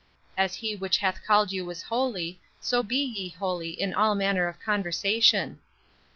'As he which hath called you is holy, so be ye holy in all manner of conversation.'